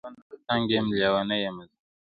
له ژونده تنگ يـم لـــېونـــى يــــــمــه زه.